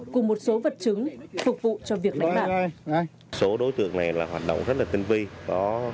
cùng một số vật chứng phục vụ cho việc đánh bạc